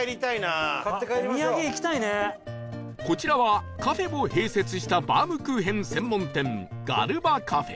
こちらはカフェも併設したバームクーヘン専門店